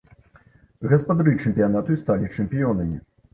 Гаспадары чэмпіянату і сталі чэмпіёнамі.